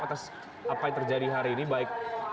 atas apa yang terjadi hari ini baik